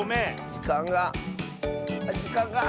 じかんがじかんがあ！